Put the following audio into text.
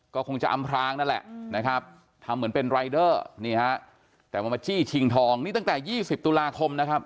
ก็คงจะอำพลางนั่นแหละนะครับทำเหมือนเป็นรายเดอร์นี่ฮะแต่มาจี้ชิงทองนี่ตั้งแต่๒๐ตุลาคมนะครับ